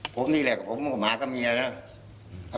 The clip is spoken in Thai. ผมนี่แหละผมหมาก็เมียนะ